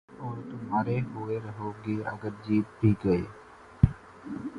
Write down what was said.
اور تُمہارے ہوئے رہو گے اگر جیت بھی گئے